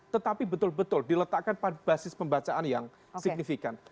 tetapi betul betul diletakkan pada basis pembacaan yang signifikan